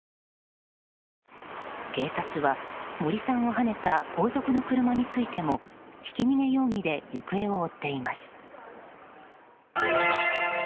警察は、森さんをはねた後続の車についてもひき逃げ容疑で行方を追っています。